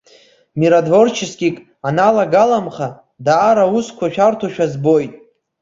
Миротворческик аналагаламха, даара аусқәа шәарҭоушәа збоит.